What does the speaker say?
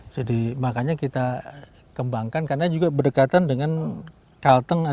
jadi makanya kita kembangkan karena juga berdekatan dengan kalteng